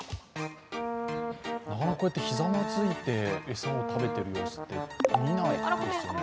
こうやってひざまずいて餌を食べている様子って、見ないですよね。